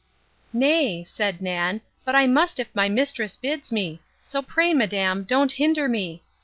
—Nay, said Nan, but I must if my mistress bids me: so pray, madam, don't hinder me.